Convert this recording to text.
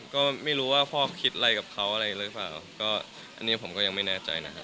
ก็ไม่รู้ว่าพ่อคิดอะไรกับเขาอะไรหรือเปล่าก็อันนี้ผมก็ยังไม่แน่ใจนะครับ